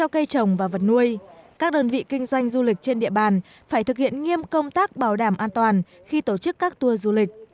các đơn vị kinh doanh du lịch trên địa bàn phải thực hiện nghiêm công tác bảo đảm an toàn khi tổ chức các tour du lịch